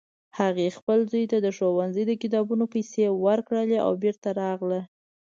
هغې خپل زوی ته د ښوونځي د کتابونو پیسې ورکړې او بیرته راغله